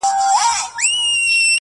له مُسکۍ ښکلي مي خولګۍ غوښته-